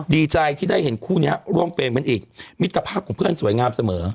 ดีใจที่ได้เห็นคู่นี้ร่วมเฟรมกันอีกมิตรภาพของเพื่อนสวยงามเสมอ